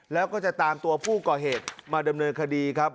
แล้วก็จะตามตัวผู้ก่อเหตุมาดำเนินคดีครับ